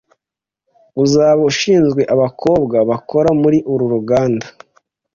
Uzaba ushinzwe abakobwa bakora muri uru ruganda